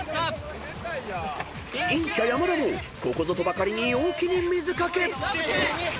［陰キャ山田もここぞとばかりに陽気に水掛け］